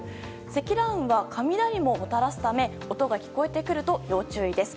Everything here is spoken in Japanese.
積乱雲は雷ももたらすため音が聞こえてくると要注意です。